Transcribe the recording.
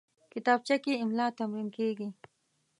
کتابچه کې املا تمرین کېږي